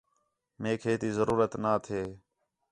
میک ہے تی ضرورت نہ تھے